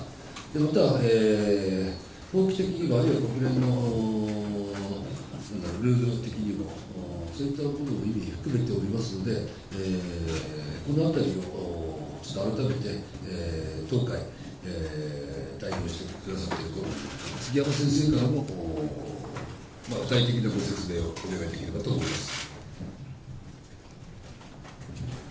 また、法規的に、あるいは国連のルール的にも、そういった部分を含めておりますので、このあたりを改めて当会、代表して、杉山先生からも具体的なご説明をお願いできればと思います。